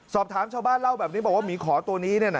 ชาวบ้านเล่าแบบนี้บอกว่าหมีขอตัวนี้